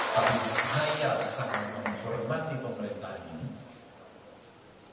tapi saya sangat menghormati pemerintahan ini